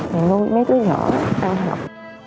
mẹ nuôi mấy đứa nhỏ ăn học